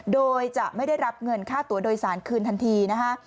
โดยจะไม่ได้รับเงินค่าตัวโดยสารคืนทันทีนะคะ